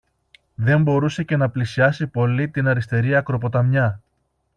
Δεν μπορούσε και να πλησιάσει πολύ την αριστερή ακροποταμιά